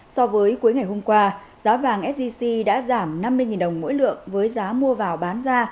so với cuối ngày hôm qua giá vàng sgc đã giảm năm mươi đồng mỗi lượng với giá mua vào bán ra